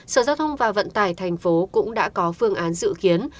sở giao thông và vận tải thành phố cũng đã có phương án dự kiến